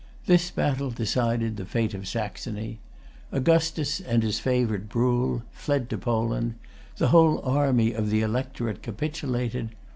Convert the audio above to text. This battle decided the fate of Saxony. Augustus and his favorite Bruhl fled to Poland. The whole army of the electorate capitulated.